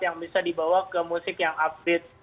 yang bisa dibawa ke musik yang upgrade